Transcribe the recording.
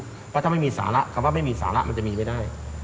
เพราะถ้าไม่มีสาระคำว่าไม่มีสาระมันจะมีไม่ได้